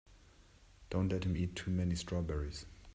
Don't let him eat too many strawberries.